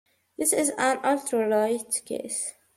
This is an ultralight case.